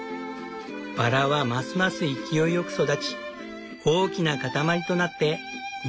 バラはますます勢いよく育ち大きな塊となって庭を彩っている。